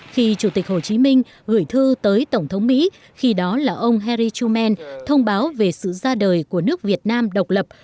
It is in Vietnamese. khi chủ tịch hồ chí minh gửi thư tới tổng thống mỹ khi đó là ông heri truman thông báo về sự ra đời của nước việt nam độc lập